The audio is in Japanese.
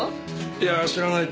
いや知らない。